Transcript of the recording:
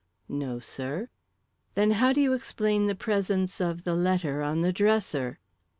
"No, sir." "Then how do you explain the presence of the letter on the dresser?"